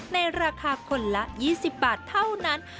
ในราคาคนละ๒๐บาทเท่านั้น